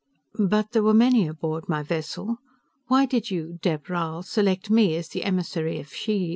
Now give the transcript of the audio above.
"But there were many aboard my vessel. Why did you, Dheb Rhal, select me as the emissary of Xheev?"